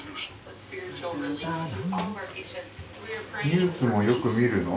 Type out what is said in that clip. ニュースもよく見るの？